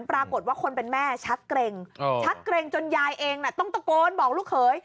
ปรากฏว่าคนเป็นแม่ชักเกร็งชักเกร็งจนยายเองต้องตะโกนบอกลูกเขย